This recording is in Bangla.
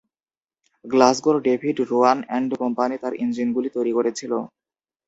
গ্লাসগোর ডেভিড রোয়ান অ্যান্ড কোম্পানি তার ইঞ্জিনগুলি তৈরি করেছিল।